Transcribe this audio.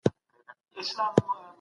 حالاتو ته په پوره دقت سره ځير سئ.